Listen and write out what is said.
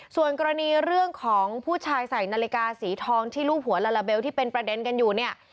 ส่วนกรณีเรื่องของผู้ชายใส่นาฬิกาสีทองที่รูปหัวลาลาเบลที่เป็นประเด็นกันอยู่เนี่ย